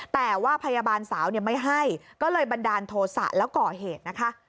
แต่ว่าพยาบาลสาวไม่ให้ก็เลยบันดาลโทษะแล้วก่อเหตุนะคะ